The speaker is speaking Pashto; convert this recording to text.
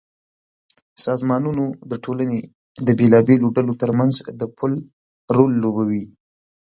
سازمانونه د ټولنې د بېلابېلو ډلو ترمنځ د پُل رول لوبوي.